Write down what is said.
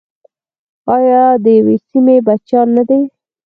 آیا د یوې سیمې بچیان نه دي؟